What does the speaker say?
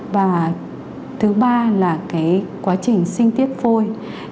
và thứ ba là quá trình sinh tiết phôi